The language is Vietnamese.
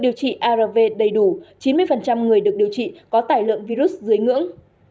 điều trị arv đầy đủ chín mươi người được điều trị có tài lượng virus dưới ngưỡng